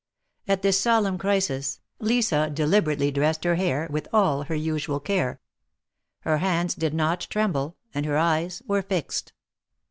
At this solemn crisis, Lisa deliberately dressed her hair, with all her usual care. Her hands did not tremble, and her eyes were fixed.